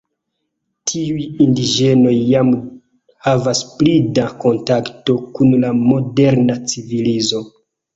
Tiuj indiĝenoj jam havas pli da kontakto kun la moderna civilizo.